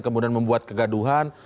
kemudian membuat kegaduhan